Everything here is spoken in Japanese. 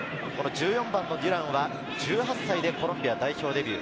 １４番のデュランは１８歳でコロンビア代表デビュー。